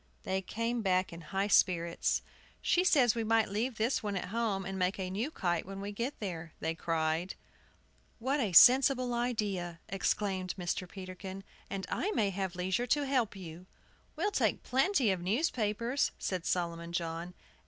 They came back in high spirits. "She says we might leave this one at home, and make a new kite when we get there," they cried. "What a sensible idea!" exclaimed Mr. Peterkin; "and I may have leisure to help you." "We'll take plenty of newspapers," said Solomon John.